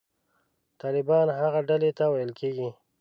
طالبان هغې ډلې ته ویل کېږي.